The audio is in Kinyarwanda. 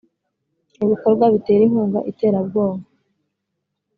ibikorwa bitera inkunga iterabwoba